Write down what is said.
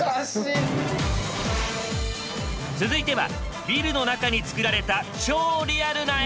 続いてはビルの中に作られた超リアルな駅？